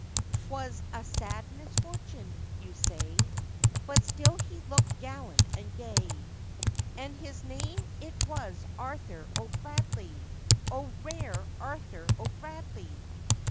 'Twas a sad misfortune, you'll say, But still he looked gallant and gay, And his name it was Arthur O'Bradley! O! rare Arthur O'Bradley!